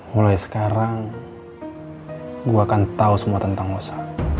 mulai sekarang gue akan tahu semua tentang lo sa